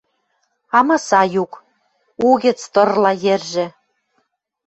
Амаса юк. Угӹц тырла йӹржӹ.